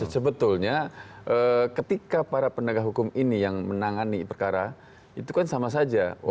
sebetulnya ketika para penegak hukum ini yang menangani perkara itu kan sama saja